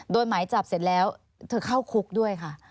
หมายจับเสร็จแล้วเธอเข้าคุกด้วยค่ะ